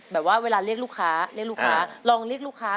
แบบว่าเวลาเรียกลูกค้าลองเรียกลูกค้า